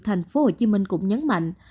thành phố hồ chí minh cũng nhấn mạnh